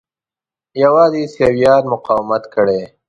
یوازې عیسویانو مقاومت کړی.